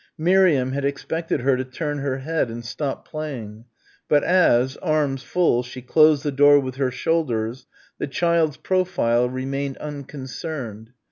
Miriam had expected her to turn her head and stop playing. But as, arms full, she closed the door with her shoulders, the child's profile remained unconcerned.